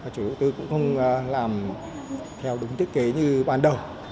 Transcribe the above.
chủ đầu tư cũng không làm theo đúng thiết kế như ban đầu